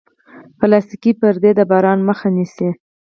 پلاستيکي پردې د باران مخه نیسي.